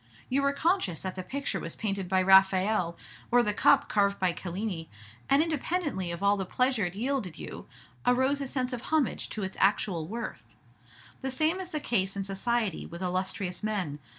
You were conscious that the picture was painted by Raphael, or the cup carved by Cellini, and, independently of all the pleasure it yielded you, arose a sense of homage to its actual worth. The same is the case in society with illustrious men.